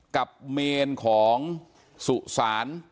กับเมนของสุสาน